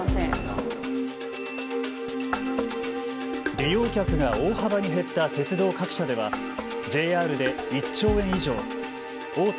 利用客が大幅に減った鉄道各社ではＪＲで１兆円以上大手